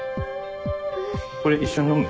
これ一緒に飲む？